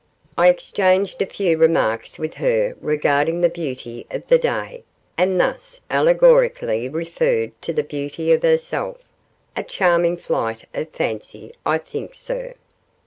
I exchanged a few remarks with her regarding the beauty of the day, and thus allegorically referred to the beauty of herself a charming flight of fancy, I think, sir.